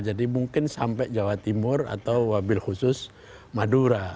jadi mungkin sampai jawa timur atau ambil khusus madura